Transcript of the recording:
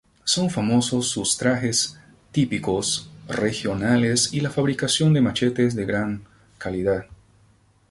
Son famosos sus trajes típicos regionales y la fabricación de machetes de gran calidad.